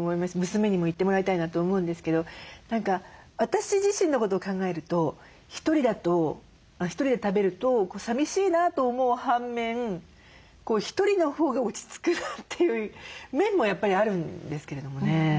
娘にも行ってもらいたいなと思うんですけど何か私自身のことを考えると１人だと１人で食べると寂しいなと思う反面１人のほうが落ち着くなという面もやっぱりあるんですけれどもね。